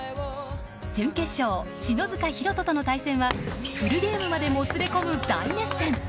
準決勝、篠塚大登との対戦はフルゲームまでもつれ込む大熱戦。